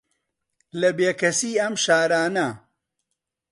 لە بێکەسی ئەم شارانە